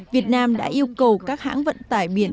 việt nam đã yêu cầu các hãng vận tải biển